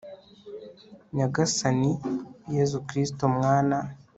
nyagasani, yezu kristu, mwana